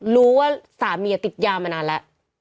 รู้ว่าสามีติดยามานานแล้ว